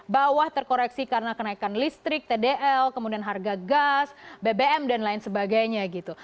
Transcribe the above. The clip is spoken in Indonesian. bawah terkoreksi karena kenaikan listrik tdl kemudian harga gas bbm dan lain sebagainya gitu